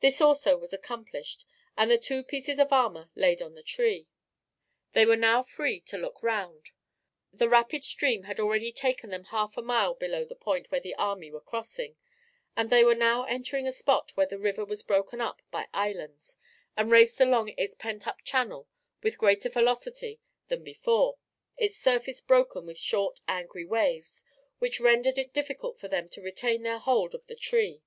This was also accomplished, and the two pieces of armour laid on the tree. They were now free to look round. The rapid stream had already taken them half a mile below the point where the army were crossing, and they were now entering a spot where the river was broken up by islands, and raced along its pent up channel with greater velocity than before, its surface broken with short angry waves, which rendered it difficult for them to retain their hold of the tree.